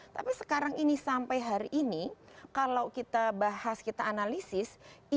tapi sekarang ini sampai hari ini kalau kita bahas kita analisis